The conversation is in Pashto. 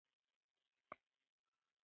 د هپاتایتس بي په وینه لېږدول کېږي.